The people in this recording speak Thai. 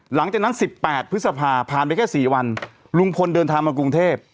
หลังจากนั้น๑๘พฤษภาผ่านไปแค่๔วันลุงพลเดินทางมากรุงเทพ